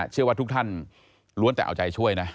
เชื่อว่าทุกท่านล้วนแต่เอาใจช่วยนะ